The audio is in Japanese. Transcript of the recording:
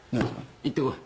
行ってこい。